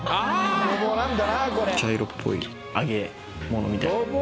茶色っぽい揚げ物みたいな。